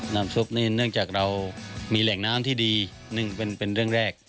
น้ำซุปนี่เนื่องจากเรามีแหล่งน้ำที่ดีเป็นเรื่องแรก